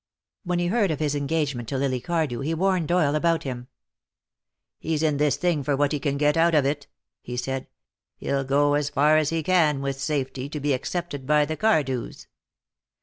When he heard of his engagement to Lily Cardew he warned Doyle about him. "He's in this thing for what he can get out of it," he said. "He'll go as far as he can, with safety, to be accepted by the Cardews."